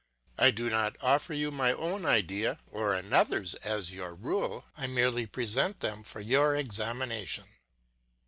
I do not offer you my own idea or another's as your rule; I merely present them for your examination.